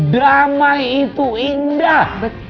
drama itu indah